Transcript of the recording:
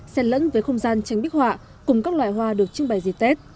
xen lẫn với không gian tranh bích họa cùng các loại hoa được trưng bày dịp tết